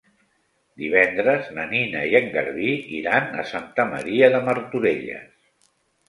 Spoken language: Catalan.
Divendres na Nina i en Garbí iran a Santa Maria de Martorelles.